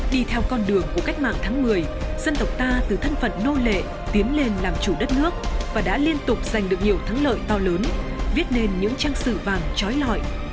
đi theo con đường của cách mạng tháng một mươi dân tộc ta từ thân phận nô lệ tiến lên làm chủ đất nước và đã liên tục giành được nhiều thắng lợi to lớn viết nên những trang sử vàng trói lọi